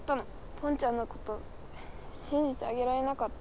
ポンちゃんのことしんじてあげられなかった。